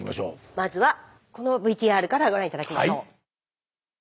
まずはこのＶＴＲからご覧頂きましょう。